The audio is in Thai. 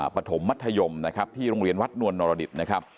ปฐมมัธยมนะครับที่โรงเรียนวัดนวลนรดิษฐ์นะครับ